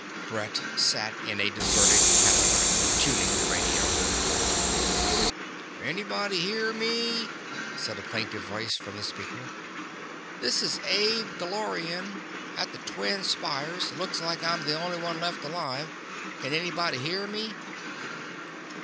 Brett sat in a deserted Cadillac, tuning the radio. "... anybody hear me?" said a plaintive voice from the speaker. "This is Ab Gullorian, at the Twin Spires. Looks like I'm the only one left alive. Can anybody hear me?"